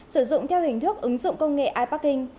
sử dụng theo hình thức ứng dụng công nghệ iparking